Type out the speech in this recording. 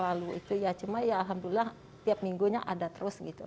lalu itu ya cuma ya alhamdulillah tiap minggunya ada terus gitu